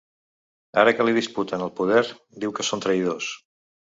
Ara que li disputen el poder, diu que són traïdors.